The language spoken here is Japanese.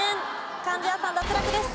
貫地谷さん脱落です。